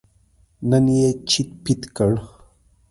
نن یې چیت پیت کړ.